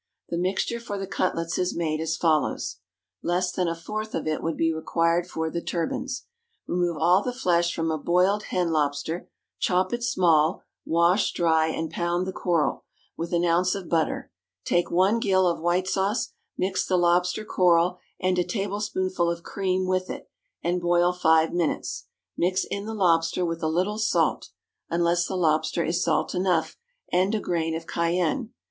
The mixture for the cutlets is made as follows (less than a fourth of it would be required for the turbans): remove all the flesh from a boiled hen lobster; chop it small; wash, dry, and pound the coral, with an ounce of butter; take one gill of white sauce, mix the lobster coral and a tablespoonful of cream with it, and boil five minutes; mix in the lobster with a little salt (unless the lobster is salt enough) and a grain of cayenne.